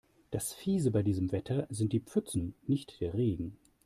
Das Fiese bei diesem Wetter sind die Pfützen, nicht der Regen.